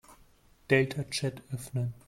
Deltachat öffnen.